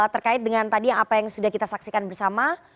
terkait dengan tadi apa yang sudah kita saksikan bersama